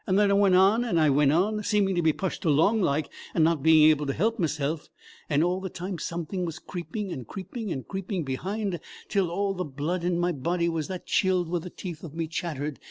And I went on and I went on, seeming to be pushed along like, and not able to help meself; and all the time something was creeping, and creeping, and creeping behind, till all the blood in my body was that chilled the teeth of me chattered.